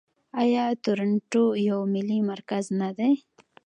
آیا تورنټو یو مالي مرکز نه دی؟